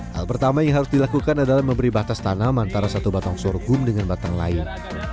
hal pertama yang harus dilakukan adalah memberi batas tanam antara satu batang sorghum dengan batang lain